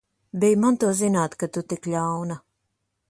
Bij man to zināt, ka tu tik ļauna!